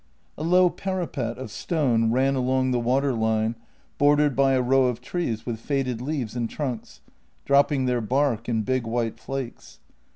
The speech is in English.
A low parapet of stone ran along the waterline, bordered by a row of trees with faded leaves and trunks, dropping their bark in big white flakes.